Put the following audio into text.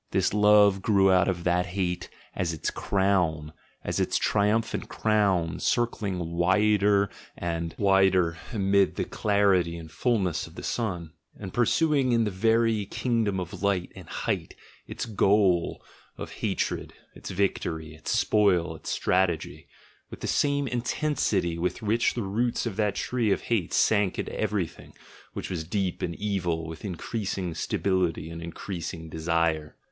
This love grew out of "GOOD AND EVIL," "GOOD AND BAD" 15 that hate, as its crown, as its triumphant crown, circling wider and wider amid the clarity and fulness of the sun, and pursuing in the very kingdom of light and height its goal of hatred, its victory, its spoil, its strategy, with the same intensity with which the roots of that tree of hate sank into everything which was deep and evil with increasing stability and increasing desire.